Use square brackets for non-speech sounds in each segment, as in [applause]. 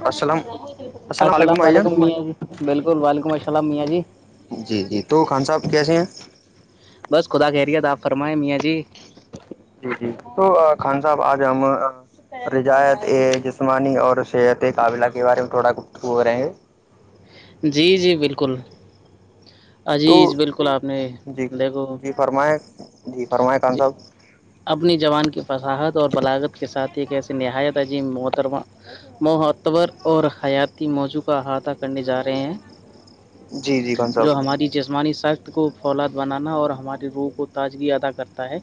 السلام السلام علیکم بالکل وعلیکم السلام میاں جی جی جی تو خان صاحب کیسے ہیں بس خدا خیریت آپ فرمائیں میاں جی جی جی تو خان صاحب آج ہم رجایت ا جس جسمانی اور صحت قابلہ کے بارے میں تھوڑا کچ ہو رہیںے جی جی بالکل تو عجیز بالکل آپ نے جی دیکھو جی فرمائیں جی فرمائیں خان جی صاحب اپنی جوان کی فصاحت اور بلاغت کے ساتھ ایک ایسی نہایت عظیم محترمہ معحتبر اور حیاتی موضوع کا احاطہ کرنے جا رہے ہیں جی جی خان صاحب جو ہماری جسمانی ساخت کو فولاد بنانا اور ہماری روح کو تازگی ادا کرتا ہے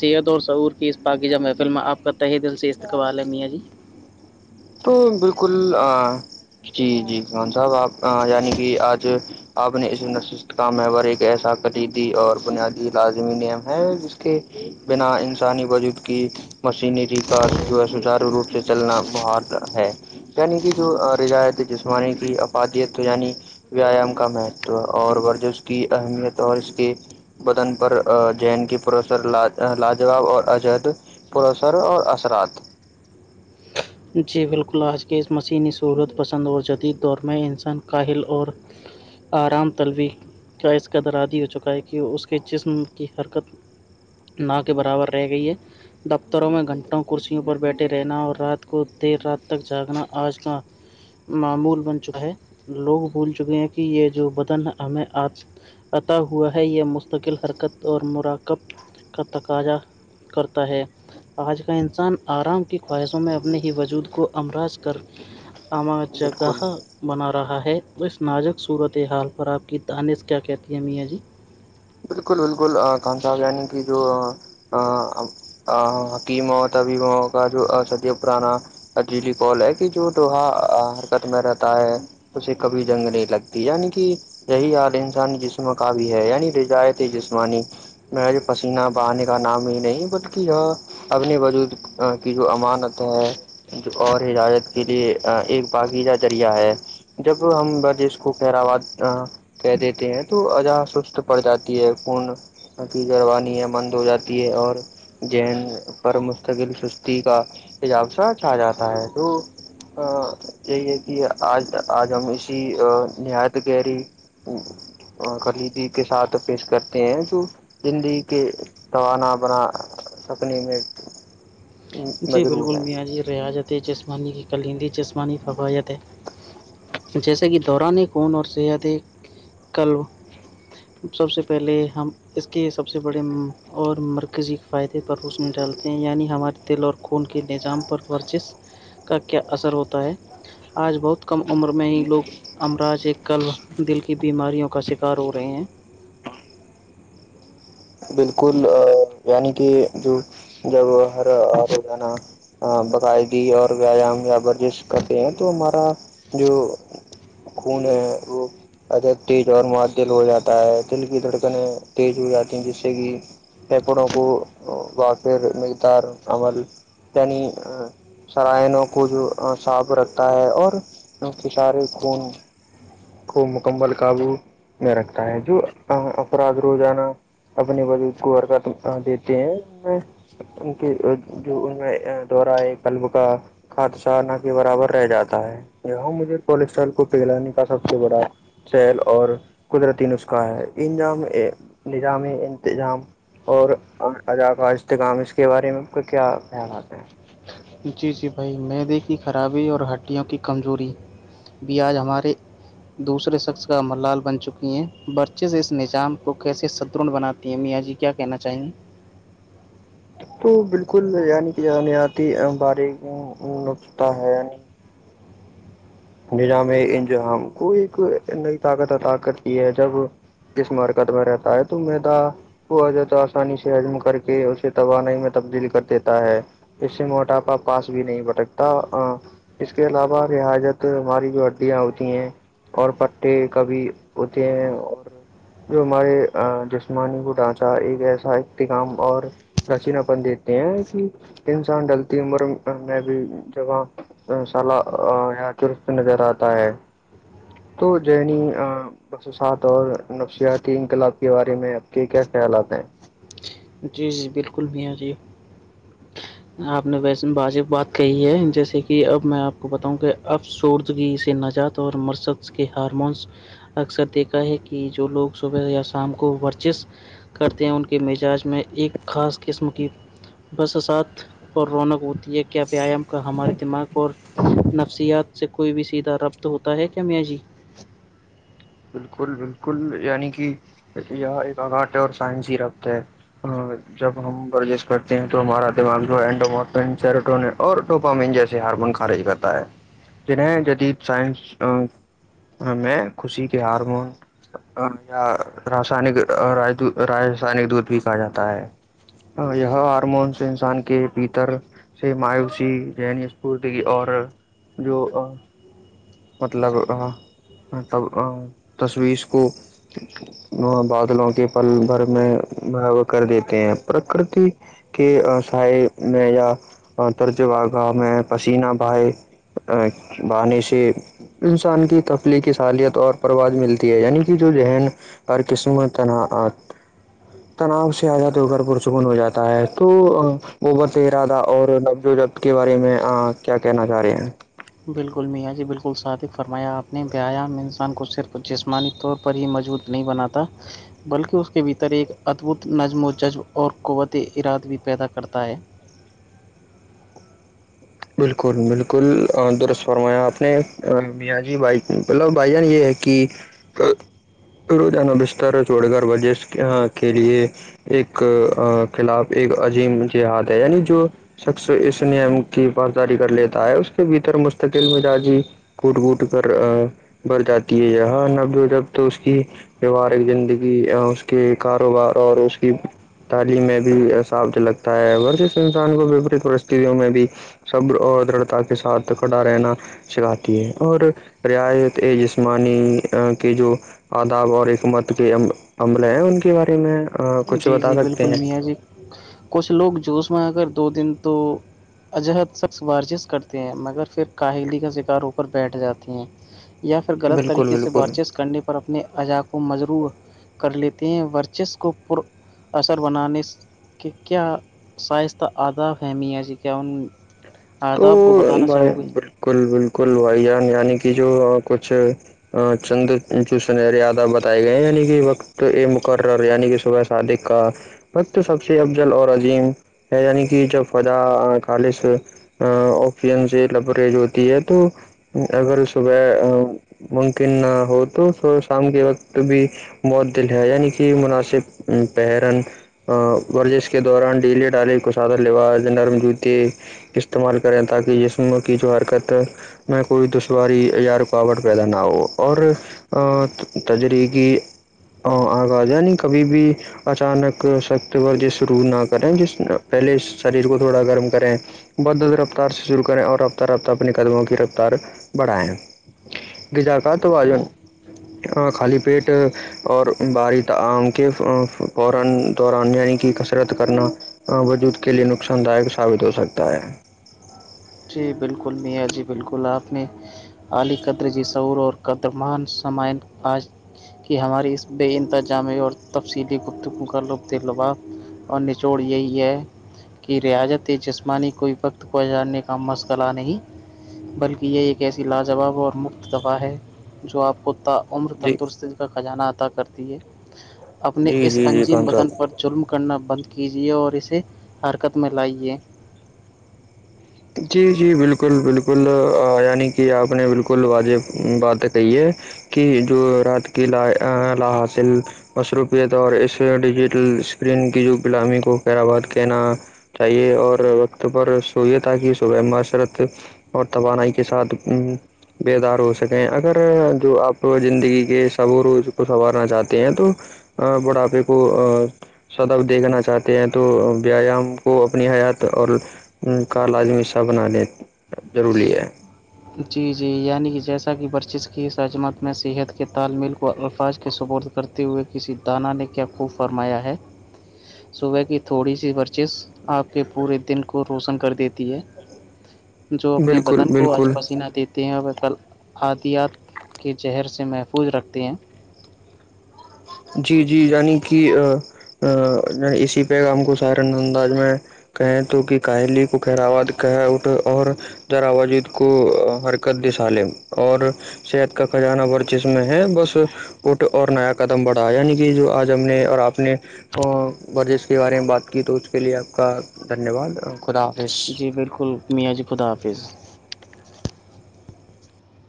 ست اور سعور کی اس پااکیجہ محفل میں آپ کا تہ دل سے استقبال ہے میاں جی تو بالکل جی جی مان صاحب آپ یعنی کہ آج آپ نے اس نشست کا مور ایک ایسا قریدی اور بنیادی لازمی نیم ہے ج کے بنا انسانی وجود کی مشینری کا جو ہے سچارو روپ سے چلنا باہر ہے یعنی کہ جو روایت جسمانی کی افادیت یعنی ویایام کا مہتو اور ورزش کی اہمیت اور اس کے بدن پر جین کی پروسر لاجواب اور عجد پرسر اور اثرات جی بالکل آج کے اس مسینی سہولت پسند اور جدید دور میں انسان کاہل اور آرام طلبی کا اس قدر عادی ہو چکا ہے کہ اس کے جسم کی حرکت نہ کے برابر رہ گئی ہے دفتروں میں گھنٹوں کرسیوں پر بیٹھے رہنا اور رات کو دیر رات تک جاگنا آج کا معمول بن چکا ہے لوگ بھول چکے ہیں کہ یہ جو بدن ہمیں آج عتا ہوا ہے یہ مستقل حرکت اور مراکب کا تقاضا کرتا ہے آج کا انسان آرام کی خواہشوں میں اپنے ہی وجود کو امراض کر اما بالکل جگاہا بنا رہا ہے اس ناجک صورت حال پر آپ کی تانس کیا کہتی ہیں میاں جی بالکل بالکل کان صاحب یعنی کہ جو حکیموں تبیب کا جو سدیہ پرانا اجیلی کال ہے کہ جو لوہا حرکت میں رہتا ہے اسے کبھی جنگ نہیں لگتی یعنی کہ یہی حال انسانی جسم کا بھی ہے یعنی رجایت جسمانی میں پسینہ بہانے کا نام ہی نہیں بلکہ یہاں انی وجود کی جو امانت ہے جو اور ہجاظت کے لیے ایک باغیچہ ذریعہ ہے جب ہم بجش کو پراواد کہہ دیتے ہیں تو اا سست پڑ جات ہے خون کی جروانی ہے بند ہو جاتی ہے اور جین پر مستقل سستی کا حجاب سچا جاتا ہے تو ا یہی ہے کہ آج آج ہم اسی نہایت گہریی خلی جی کے ساتھ پیش کرتے ہیں جو زندگی کے توانا بنا سکنے میں جی مجروح بالکل ہے میاں جی ریاضت جسمانی کی کلندی جسمانی فویت ہے جیسے کہ دوران خون اور صحت ایک کلب سب سے پہلے ہم اس کے سب سے بڑے اور مرکزی فائدے پر روس میں ڈالتے ہیں یعنی ہمارے تل اور خون کے نظام پر ورچش کا کیا اثر ہوتا ہے آج بہت کم عمر میں ہی لوگ امراض ایک کلب دل کی بیماریوں کا شکار ہو رہے ہیں بالکل یعنی کہ جو جب ہر روزانہ ہ باقاعدی اور ویایام یا ورزش کرتے ہیں تو ہمارا جو خون وہ ادب تیز اور معدل ہو جاتا ہے دل کی دھڑکنیں تیز ہو جاتی ہیں جس سے کہ پپڑوں کو و پھر نہیںدار عل عنی سرائنوں کو جو صاف رکھتا ہے اور ان کے سارے خون کو مکمل قابو میں رکھتا ہے جو افراد روزانہ اپنے بجود کو حرکت دیتے ہیں ان کی جو ان میں دورہ ہے قلب کا خادشہ نہ کے برابر رہ جاتا ہے یہاں مجھے کولسٹرال کو پھیگلانے کا سب سے بڑا سیل اور قدرتی نسخہ ہے انظام نظامی انتظام اور ادا کاہ اسجتکام اس کے بارے میں آپ کو کیا خیال آتے ہے جی جی بھائی مدے کی خرابی اور ہڈیوں کی کمزوری بھی آج ہمارے دوسرے شخص کا ممر لال بن چکی ہیں برچز اس نظام کو کیسے سترڑھ بناتی ہیں میاں جی کی کیا کہنا چاہیں گے تو بالکل یعنی کہ جان آتی بارش نکتا ہے یعنی نظام انجام کو ایک نئی طاقت طاقت کی ہے جب کس مرکت میں رہتا ہے تو مدا ہو جو تو آسانی سے حضم کر کے اسے توانائی میں تبدیل کر دیتا ہے اس سے موٹاپا پاس بھی نہیں بھٹکتا اس کے علاوہ رظت ہماری جو ہڈیاں ہوتی ہیں اور پٹے کا بھی ہوتے ہیں اور جو ہمارے جسمانی کو ڈھانچہ ایک ایسا اختام اور رشین اپن دیتے ہیں کہ انسان ڈلتی عمر میں بھی جگہ سال یا تر نظر آتا ہے تو جنی بسوسات اور نفسیاتی انقلاب کے بارے میں آپ کے کیا خیالات ہیں جی جی بالکل بھی آ جیے [inaudible] آپ نے ویسن واجب بات کہی ہے جیسے کہ اب میں آپ کو بتاؤں کہ اب سوردگ سے نجات اور مرسکس کے ہارمونس اکثر دیکھا ہے کہ جو لوگ صبح یا شام کو ورزش کرتے ہیں ان کے مزاج میں ایک خاص قسم کی بسسات اور رونق ہوتی ہے کیا ویام کا ہمارے دماغ اور نفسیات سے کوئی بھی سیدھا ربط ہوتا ہے کیا میاں جی بالکل بالکل یعنی کہ یہ ایک آاٹ ہے اور سائنسی ربط ہے ہ جب ہم ورزش کرتے ہیں تو ہمارا دماغ این اور ٹوپامین جیسے ہارمون خارج کرتا ہے جنہیں جدید سائنس ہ میں خوشی کے ہارمون یا رسانک رسائنک دودھ بھی کہا جاتا ہے ہاں یہ ہارمون سے انسان کے بھیتر سے مایوسی جنی اسفورتی کی اور جو مطلب تشویش کو بادلوں کے پل بھر میں ب کر دیتے ہیں پرکرتی کے سائے میں یا درج واگاہ میں پسینہ بائے بانسی انسان کی تفلیقی ساحالت اور پرواز ملتی ہے یعنی کہ جو ذہن ہر قسمت تنعٹ تناؤ سے آ جاتاد ہو کر پرسکون ہو جاتا ہے تو وہبت ارادہ اور نبظ و ج کے بارے میں کیا کہنا چاہ رہے ہیں بالکل میاں جی بالکل ادق فرمایا آپ نے بیایام انسان کو صرف جسمانی طور پر ہی مجبوط نہیں بناتا بلکہ اس کے بھیتر ایک ادبھت نظم و جذب اور قوت اراد بھی پیدا کرتا ہے بالکل بالکل درست فرمایا آپ نے بیا جی بائی مطلب بھائی جان یہ ہے کہ روزانہ بستر چڑ کر وجش کے لیے ایک خلاف ایک عجیم ج ہاد ہے یعنی جو شخص اس نم کی پاسداری کر لیتا ہے اس کے بھیتر مستقل مزاجی کوٹ کوٹ کر بر جاتی ہے یہ ہاں نب جب تو اس کی ویوارک زندگی اس کے کاروبار اور اس کی تعلیم میں بھیساابت لگتا ہے ہ ک انسان کو وپریت پرستت میں بھی سبر اور درھتا کے ساتھ کھڑا رہنا سکھاتی ہے اور رعایت جسمانی کے جو آداب اور حکمت کے عملے ہیں ان کے بارے میں کچھ جی بتا جی سکتے بالکل ہیں میاں جی کچھ لوگ جوش میں اگر دو دن تو اجہد شخص ورزش کرتے ہیں مگر پھر کاہلی کا شکار ہو کر بیٹھ جاتی ہیں یا پھر غلط بالکل طریقے سے بار بالکل چیز کرنے پ اپنے اجا کو مجرو کر لیتے ہیں ورچس کو پر اثر بنانے کہ کیا سائست کا آدھاب فہمی ہے جی کیا ان تو آداب کو بتانا بھائی چاہو گے بالکل بالکل بھائی جان یعنی کہ جو کچھ ہاں چند چسن ریادا بتائے گئے ہیں یعنی کہ وقت اے مقرر یعنی کہ صبح ساھے کا وقت سب سے افضل اور عظیم ہے یعنی کہ جب فضا خالص اپین سے لبریج ہوتی ہے تو اگر صبح ممکن ہو تو سو شام کے وقت بھی موت دل ہے یعنی کہ مناسب پرن ورزش کے دوران ڈیلے ڈالے کو سادہ لوا نرم جوتے استعمال کریں تاکہ جسم کی جو حرکت میں کوئی دشواری یا رکاوٹ پیدا نہ ہو اور تجریکی آغاز یعنی کبھی بھی اچانک سخت ور جش روع نہ کریں جس پہلے شریر کو تھوڑا گرم کریں بدد رفتار سے شروع کریں اور رفتہ رفتہ اپنی قدموں کی رفتار بڑھائیں گجا کا تو واازن خالی پیٹ اور باری تعالی دوران یعنی کی کسرت کرنا وجود کے لیئے نقصان داک ثابت ہو سکتا ہے جی بالکل میاں جی بالکل آپ نے عالی قدر جی سعور اور قدمان سمان آج کہ ہماری اس بے انتظامی اور تفصیلی گفتگو کا ربت لبا اور نچوڑ یہی ہے کہ ریاضت اس جسمانی کوئی وقت کو آ جاننے کا کم مسغلہ نہیں بلکہ یہ ایک ایسی لاجواب اور مفت دفاع ہے جو آپ کو عمر جی تندرستی کا خزانہ عطا کرتی ہے اپنے جی اس جی جی انجیم خان صاحب بدن پر ظلم کرنا بند کیجیے اور اسے حرکت میں لائیے جی جی بالکل بالکل یعنی کہ آپ نے بالکل واجح بات کہی ہے کی جو رات کی لا لا حاصل مصروفیت اور اس ڈیجیٹل اسکرین کی جو گلامی کو خیر آباد کہنا چاہیے اور وقت پر سوئیے تاکہ صبہ معاشرت اور توانائی کے ساتھ ا بیدار ہو سکیں اگر جو آپ زندگی کے صبور و اس کو سنوارنا چاہتے ہیں تو ہ بڑھاپے کو سدب دیکھنا چاہتے ہیں تو ویایام کو اپنی حیات اور کالالمی سہ بنانے ضروری ہے جی جی یعنی کہ جیسا کہ برچش کی عجمت میں صحت کے تالمیل کو الفاظ کے ثبورت کرتے ہوئے کسی دانا نے کیا خوب فرمایا ہے [unintelligible] صبح کی تھوڑی سی ورچش آپ کے پورے دن کو روشن کر دیتی ہے [inaudible] جو اپنے بالکل وطن کو آج بالکل نہ دیتے ہیں اور وہ ک آادیات کے زہر سے محفوظ رکھتے ہیں جی جی یعنی کہ اسی پیغام کو سہر انداز میں کہیں تو کہ کاہلی کو کہراواد کہ اٹھے اور ذراوجد کو حرکت دسا لیں اور صحت کا کزانہ ورچسم ہے بس اٹ اور نیا کد م بڑھا یعنی کہ جو آج ہم نے اور آپ نے ورزش کے بارے میں بات کی تو اس کے لیے آپ کا دھنیہ واد خدا حافظ جی بالکل میاں جی خدا حافظ